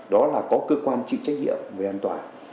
đó là có cơ quan chịu trách nhiệm về an toàn